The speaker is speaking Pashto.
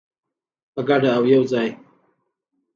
په ګډه او یوځای.